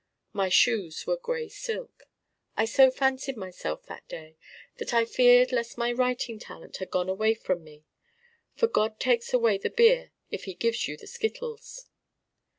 My shoes were gray silk. I so fancied myself that day that I feared lest my writing talent had gone away from me. For God takes away the beer if he gives you the skittles.